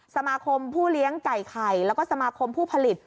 สมาคมผู้เลี้ยงไก่ไข่แล้วก็สมาคมผู้ผลิต